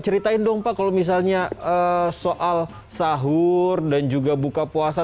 ceritain dong pak kalau misalnya soal sahur dan juga buka puasa